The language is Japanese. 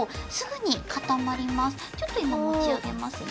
ちょっといまもちあげますね。